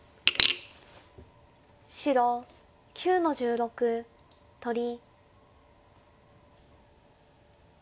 白９の十六取り。